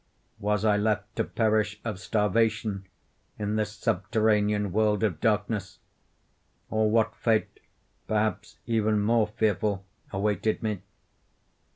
Was I left to perish of starvation in this subterranean world of darkness; or what fate, perhaps even more fearful, awaited me?